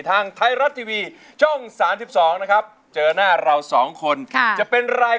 ร้องได้ให้ล้านลุงทุกสู้ชีวิต